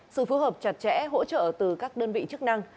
sự phù hợp chặt chẽ hỗ trợ từ các đơn vị chức năng